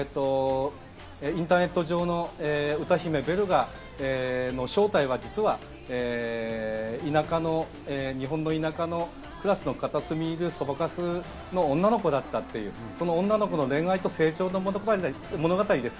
インターネット上の歌姫ベルが正体は実は日本の田舎のクラスの片隅にいるそばかすの女の子だったという、女の子の恋愛と成長の物語です。